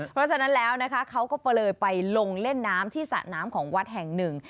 เพราะฉะนั้นแล้วนะคะเขาก็เลยไปลงเล่นน้ำที่สระน้ำของวัดแห่งหนึ่ง